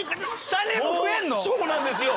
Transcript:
そうなんですよ。